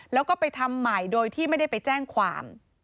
แล้วก็ไปทำใหม่โดยที่ไม่ได้ไปแจ้งความ